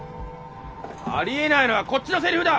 ありえないのはこっちのセリフだ！